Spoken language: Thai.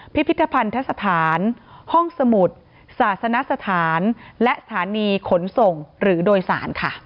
พิพิธภัณฑสถานห้องสมุทรศาสนสถานและสถานีขนส่งหรือโดยสารค่ะ